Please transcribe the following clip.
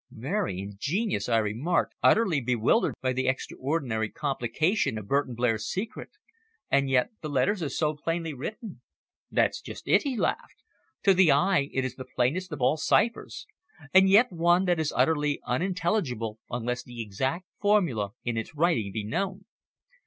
"Very ingenious!" I remarked, utterly bewildered by the extraordinary complication of Burton Blair's secret. "And yet the letters are so plainly written!" "That's just it," he laughed. "To the eye it is the plainest of all ciphers, and yet one that is utterly unintelligible unless the exact formula in its writing be known.